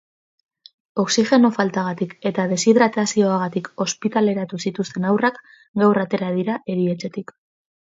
Oxigeno faltagatik eta deshidratazioagatik ospitaleratu zituzten haurrak gaur atera dira erietxetik.